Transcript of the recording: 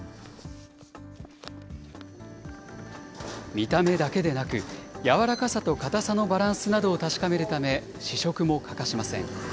見た目だけでなく、柔らかさと固さのバランスなどを確かめるため、試食も欠かしません。